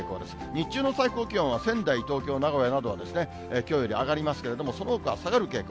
日中の最高気温は、仙台、東京、名古屋などはきょうより上がりますけれども、そのほかは下がる傾向。